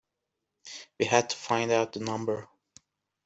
We had to find out the number.